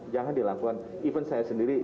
jangan dilakukan even saya sendiri